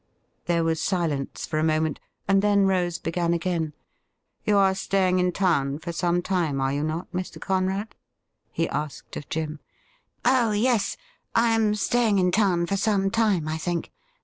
There was silence for a moment, and then Rose began again :' You are staying in town for some time, are you not, Mr. Conrad ?' he asked of Jim. ' Oh yes, I am staying in town for some time, I think.